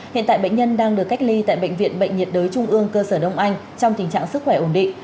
hiện tại bệnh nhân đang được cách ly tại bệnh viện bệnh nhiệt đới trung ương cơ sở đông anh trong tình trạng sức khỏe ổn định